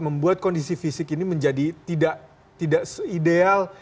membuat kondisi fisik ini menjadi tidak se ideal